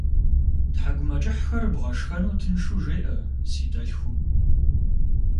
Тхьэкӏумэкӏыхьхэр бгъэшхэну тыншу жеӏэ си дэлъхум.